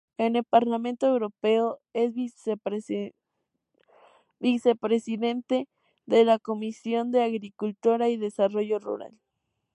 En el Parlamento Europeo es vicepresidente de la Comisión de Agricultura y Desarrollo Rural.